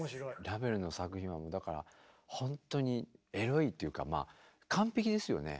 ラヴェルの作品はだからほんとにエロいっていうかまあ完璧ですよね。